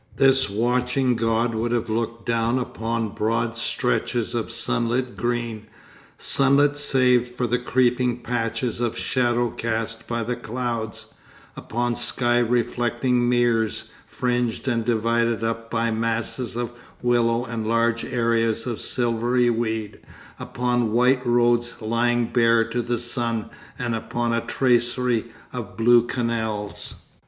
This watching god would have looked down upon broad stretches of sunlit green, sunlit save for the creeping patches of shadow cast by the clouds, upon sky reflecting meres, fringed and divided up by masses of willow and large areas of silvery weeds, upon white roads lying bare to the sun and upon a tracery of blue canals.